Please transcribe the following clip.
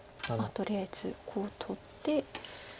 とりあえずコウを取って。